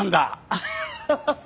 アハハハハ！